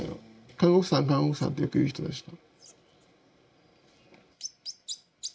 「看護婦さん看護婦さん」ってよく言う人でした。